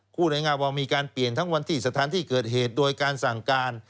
พูดง่ายว่ามีการเปลี่ยนทั้งวันที่สถานที่เกิดเหตุโดยการสั่งการ